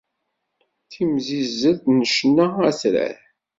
Timsizzelt n ccna atrar.